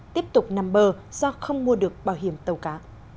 tiếp tục nằm bờ do không mua được bảo hiểm tàu cá